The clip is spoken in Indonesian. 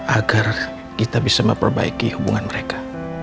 agar kita bisa memperbaiki hubungan mereka